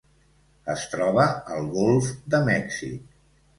Es troba al Golf de Mèxic.